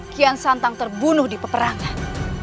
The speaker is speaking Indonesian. kian santang terbunuh di peperangan